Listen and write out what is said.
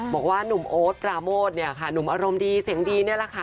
บอกว่าหนุ่มโอ๊ตปราโมทเนี่ยค่ะหนุ่มอารมณ์ดีเสียงดีนี่แหละค่ะ